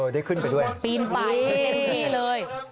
ได้ขึ้นไปด้วยปีนไปเต็มที่เลย